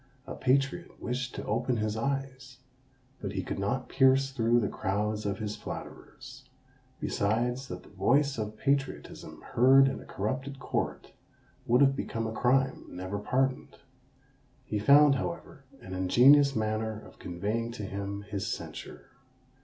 A patriot wished to open his eyes, but he could not pierce through the crowds of his flatterers; besides that the voice of patriotism heard in a corrupted court would have become a crime never pardoned. He found, however, an ingenious manner of conveying to him his censure.